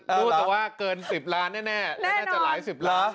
รูปว่าเกิน๑๐ล้านแน่แล้วน่าจะหลาย๑๐ล้าน